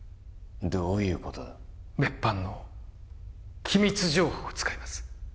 どういうことだ別班の機密情報を使います